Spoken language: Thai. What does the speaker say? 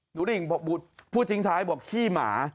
หนูหลิงพูดจริงท้ายบอกขี้หมา